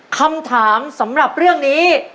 คำถามสำหรับเรื่องนี้